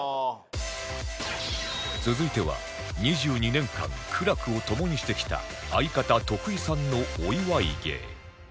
続いては２２年間苦楽を共にしてきた相方徳井さんのお祝い芸